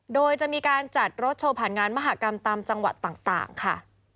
โดยจะมีการจัดรถโชว์ผ่านงานมหากรรมตามจังหวัดต่างค่ะ